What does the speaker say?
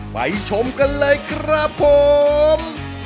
ไปชมกันเลยครับผม